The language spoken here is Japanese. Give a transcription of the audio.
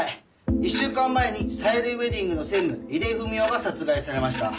１週間前にさゆりウェディングの専務井出文雄が殺害されました。